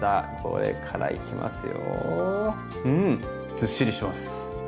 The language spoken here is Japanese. ずっしりしてます。